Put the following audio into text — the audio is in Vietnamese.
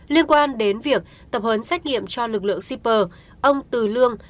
liên quan đến việc tập hấn xét nghiệm cho lực lượng sipr ông từ lương